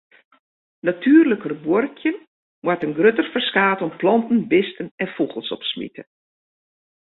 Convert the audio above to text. Natuerliker buorkjen moat in grutter ferskaat oan planten, bisten en fûgels opsmite.